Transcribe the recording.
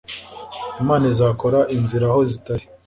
Imana izakora inzira Aho zitari